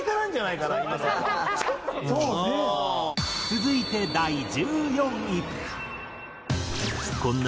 続いて第１４位。